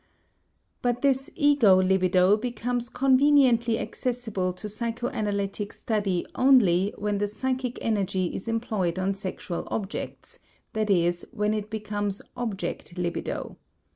But this ego libido becomes conveniently accessible to psychoanalytic study only when the psychic energy is employed on sexual objects, that is when it becomes object libido.